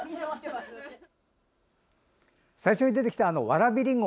最初に出てきたわらびりんご